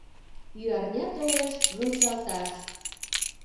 Ӱярня толеш мунчалташ